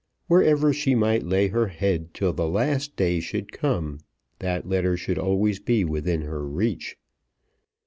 Wherever she might lay her head till the last day should come that letter should be always within her reach.